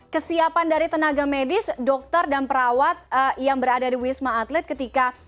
kesiapan dari tenaga medis dokter dan perawat yang berada di wisma atlet ketika